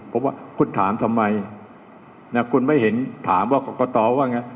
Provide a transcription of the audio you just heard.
ผมว่าคุณถามทำไมนะคุณไม่เห็นถามว่ากรกตว่าไง